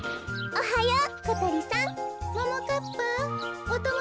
おっはよう！